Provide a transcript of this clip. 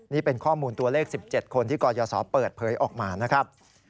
นี่เป็นข้อมูลตัวเลข๑๗คนที่กรยศเปิดเผยออกมานะครับ